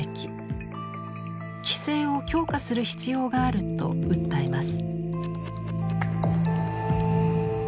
規制を強化する必要があると訴えます。